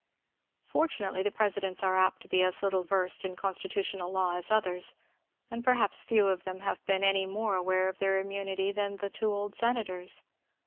Fortunately the presidents are apt to be as little versed in constitutional law as others, and perhaps few of them have been any more aware of their immunity than the two old senators.